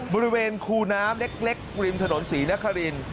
บริเวณคูน้ำเล็กริมถนนศรีนคริน